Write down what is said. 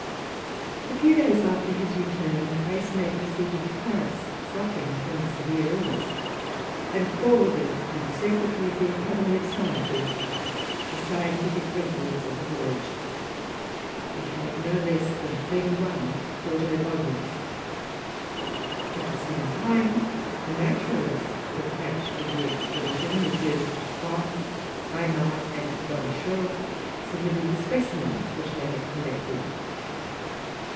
A few days after his return, Freycinet proceeded to Paris, suffering from a severe illness, and forwarded to the secretary of the Academy of Sciences the scientific records of the voyage, which made no less than thirty one quarto volumes. At the same time, the naturalists attached to the expedition, MM. Quoy, Gaimard, and Gaudichaud, submitted the specimens which they had collected.